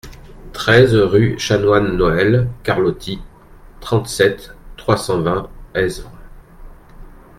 treize rue Chanoine Noël Carlotti, trente-sept, trois cent vingt, Esvres